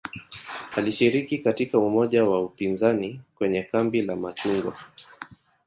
Alishiriki katika umoja wa upinzani kwenye "kambi la machungwa".